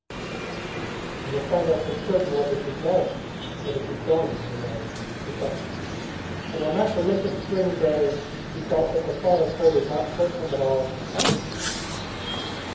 "I shall find out for certain whether she's married, or when she's going to be married," he thought. And on that delicious spring day he felt that the thought of her did not hurt him at all.